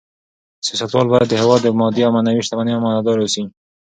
سیاستوال باید د هېواد د مادي او معنوي شتمنیو امانتدار اوسي.